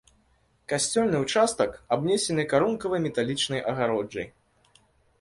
Касцёльны ўчастак абнесены карункавай металічнай агароджай.